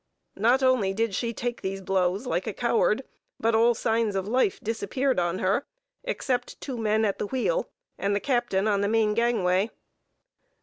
Not only did she take these blows like a coward, but all signs of life disappeared on her, except two men at the wheel, and the captain on the main gangway.